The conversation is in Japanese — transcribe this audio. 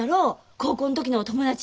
高校ん時の友達。